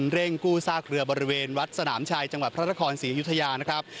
เร่งกู้ซากเรือบริเวณวัดสนามชัยจังหวัดพระนครศรีอยุธยานะครับ